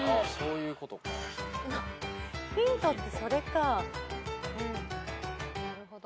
・ヒントってそれか。